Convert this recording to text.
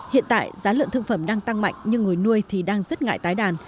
hiện tại giá lợn thương phẩm đang tăng mạnh nhưng người nuôi thì đang rất ngại tái đàn